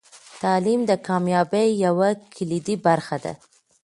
تعلیم د کامیابۍ یوه کلیدي برخه ده.